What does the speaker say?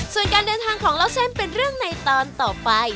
ส่วนการเดินทางของเล่าเส้นเป็นเรื่องในตอนต่อไป